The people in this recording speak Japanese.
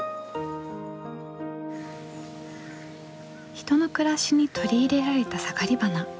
人の暮らしに取り入れられたサガリバナ。